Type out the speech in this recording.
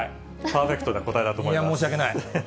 パーフェクトな答えだと思い申し訳ない。